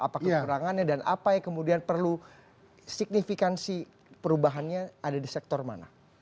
apa kekurangannya dan apa yang kemudian perlu signifikansi perubahannya ada di sektor mana